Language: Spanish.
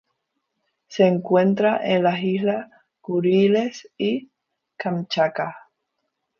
Se encuentran en las Islas Kuriles y Kamchatka.